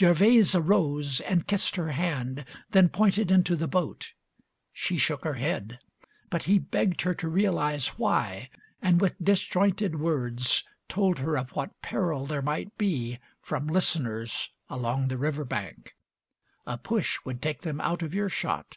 LIX Gervase arose, and kissed her hand, then pointed Into the boat. She shook her head, but he Begged her to realize why, and with disjointed Words told her of what peril there might be From listeners along the river bank. A push would take them out of earshot.